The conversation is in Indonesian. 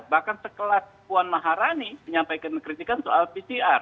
bahkan sekelas puan maharani menyampaikan dan mengkritikan soal pcr